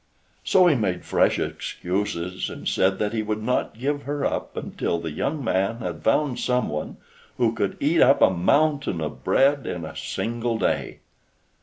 So he made fresh excuses, and said that he would not give her up until the young man had found someone who could eat up a mountain of bread in a single day.